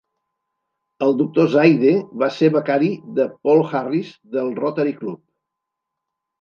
El doctor Zaide va ser becari de Paul Harris del Rotary Club.